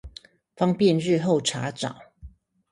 方便日後查找